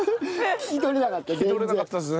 聞き取れなかった全然。